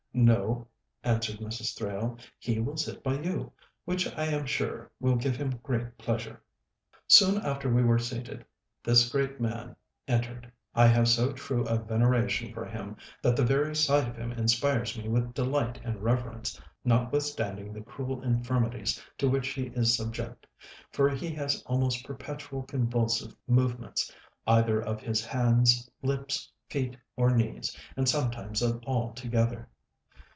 "No," answered Mrs. Thrale, "he will sit by you, which I am sure will give him great pleasure." Soon after we were seated, this great man entered. I have so true a veneration for him, that the very sight of him inspires me with delight and reverence, notwithstanding the cruel infirmities to which he is subject; for he has almost perpetual convulsive movements, either of his hands, lips, feet, or knees, and sometimes of all together.